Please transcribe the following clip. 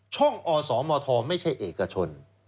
อสมทไม่ใช่เอกชน